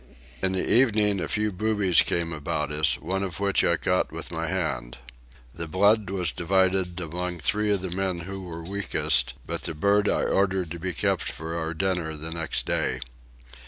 In the evening a few boobies came about us, one of which I caught with my hand. The blood was divided among three of the men who were weakest, but the bird I ordered to be kept for our dinner the next day.